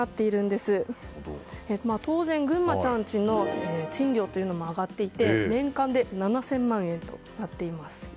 当然、ぐんまちゃん家の賃料も上がっていて年間で７０００万円となっています。